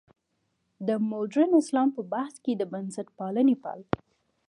د مډرن اسلام په بحث کې د بنسټپالنې پل.